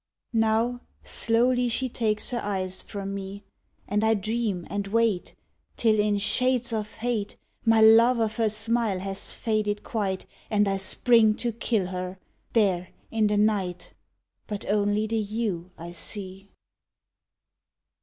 Now slowly she takes her eyes from me, And I dream and wait, Till in shades of hate My love of her smile has faded quite And I spring to kill her, there in the night But only the yew I see.